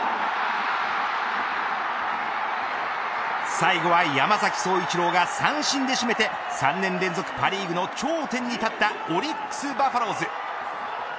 最後は山崎颯一郎が三振で締めて３年連続パ・リーグの頂点に立ったオリックスバファローズ。